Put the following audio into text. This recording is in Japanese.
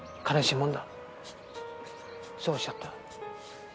そうおっしゃった。